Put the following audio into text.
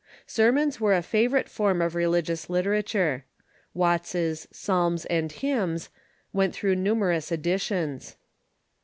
Sermons were a favorite form of religious literature. Watts's " Psalms and Hymns " went through numerous edi tions.